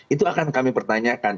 itu akan kami pertanyakan